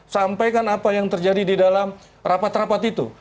sampaikan apa yang terjadi di dalam rapat rapat itu